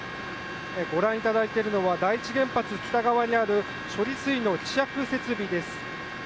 ご覧いただいているのは第一原発北側にある処理水の希釈設備です。